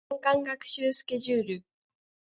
年間学習スケジュール